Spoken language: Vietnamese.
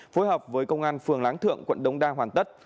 phối hợp với công an phường láng thượng quận đông đa hoàn tất